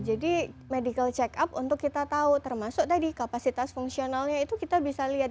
jadi medical check up untuk kita tahu termasuk tadi kapasitas fungsionalnya itu kita bisa lihat